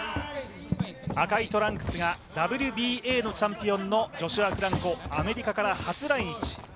赤いトランクスがＷＢＡのチャンピオンでジョシュア・フランコ、アメリカから初来日。